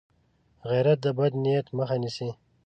غیرت د بد نیت مخه نیسي